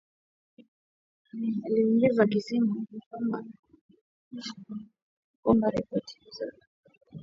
,aliongeza akisema kwamba ripoti hizo zinahitaji kuchunguzwa na wale wenye hatia wawajibishwe